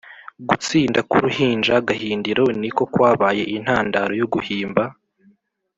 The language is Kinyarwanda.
Gutsinda k’ uruhinja Gahindiro ni ko kwabaye intandaro yo guhimba